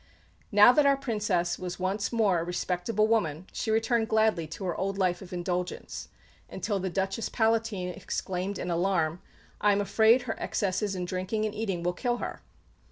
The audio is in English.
Now that our Princess was once more a "respectable" woman, she returned gladly to her old life of indulgence; until the Duchess Palatine exclaimed in alarm, "I am afraid her excesses in drinking and eating will kill her."